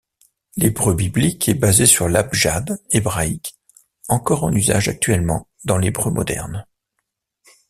L'hébreu biblique est basé sur l'abjad hébraïque, encore en usage actuellement dans l'hébreu moderne.